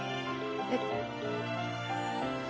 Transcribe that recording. えっ。